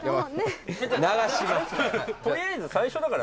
取りあえず最初だから。